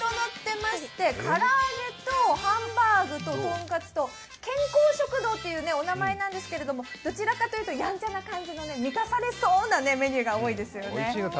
唐揚げとハンバーグとトンカツと、健康食道というお名前なんですけど、どちらかというとやんちゃな感じの満たされそうなメニューが多いですね。